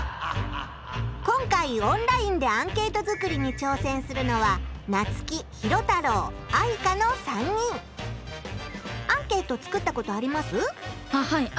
今回オンラインでアンケート作りにちょうせんするのはアンケート作ったことあります？